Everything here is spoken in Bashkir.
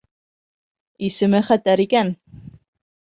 Исеме хәтәр икән.